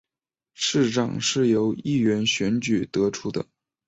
市长是由议员选举得出的。